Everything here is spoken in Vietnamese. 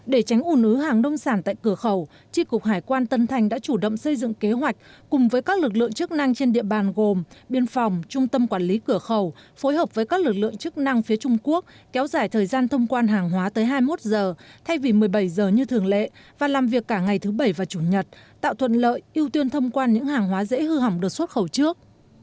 để tránh u nứ hàng nông sản tại cửa khẩu tri cục hải quan tân thanh đã chủ động xây dựng kế hoạch cùng với các lực lượng chức năng trên địa bàn gồm biên phòng trung tâm quản lý cửa khẩu phối hợp với các lực lượng chức năng phía trung quốc kéo dài thời gian thông quan hàng hóa tới hai mươi một giờ thay vì một mươi bảy giờ như thường lệ và làm việc cả ngày thứ bảy và chủ nhật tạo thuận lợi ưu tuyên thông quan những hàng hóa dễ hư hỏng được xuất khẩu trước